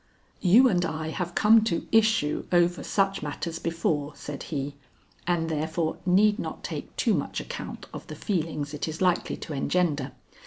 "You and I have come to issue over such matters before," said he, "and therefore need not take too much account of the feelings it is likely to engender.